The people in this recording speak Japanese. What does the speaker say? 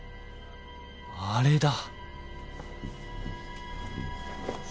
あれだ。